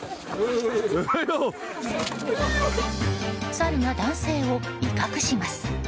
サルが男性を威嚇します。